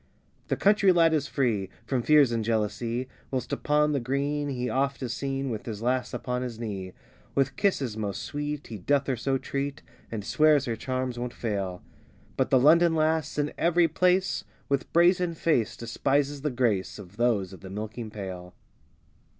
The country lad is free From fears and jealousy, Whilst upon the green he oft is seen, With his lass upon his knee. With kisses most sweet he doth her so treat, And swears her charms won't fail; But the London lass, in every place, With brazen face, despises the grace Of those of the milking pail.